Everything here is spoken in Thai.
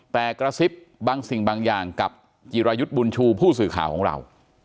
แต่กระซิบบางสิ่งบางอย่างกับจิรายุทธ์บุญชูผู้สื่อข่าวของเรา